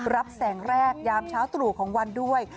รับแสงแรกยามเช้าตรู่ของวันด้วย